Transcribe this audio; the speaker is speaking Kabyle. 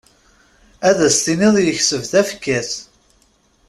Ad as-tiniḍ yekseb tafekka-s.